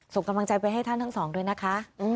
ส่งกำลังใจไปให้ท่านทั้งสองด้วยนะคะ